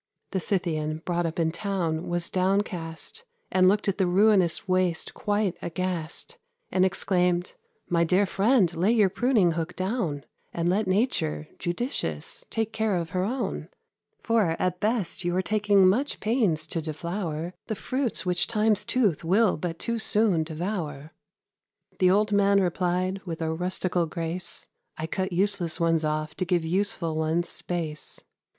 The Scythian, brought up in town, was downcast, And looked at the ruinous waste quite aghast, And exclaimed, "My dear friend, lay your pruning hook down, And let Nature, judicious, take care of her own; For, at best, you are taking much pains to deflower The fruits which Time's tooth will but too soon devour." The old man replied, with a rustical grace, "I cut useless ones off to give useful ones space."